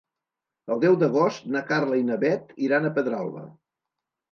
El deu d'agost na Carla i na Bet iran a Pedralba.